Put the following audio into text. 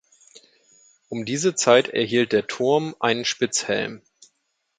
Um diese Zeit erhielt der Turm einen Spitzhelm.